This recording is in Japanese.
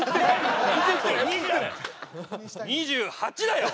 ２８だよ！